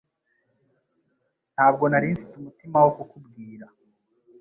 Ntabwo nari mfite umutima wo kukubwira